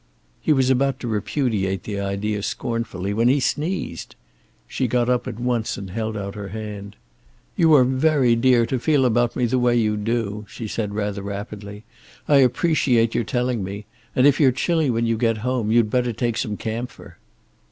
He was about to repudiate the idea scornfully, when he sneezed! She got up at once and held out her hand. "You are very dear to feel about me the way you do" she said, rather rapidly. "I appreciate your telling me. And if you're chilly when you get home, you'd better take some camphor."